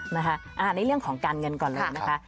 ในเรื่องของการเงินก่อนเลยนะคะ